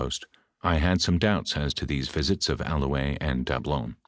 67 post, I had some doubts as to these visits of Allouez and Dablon.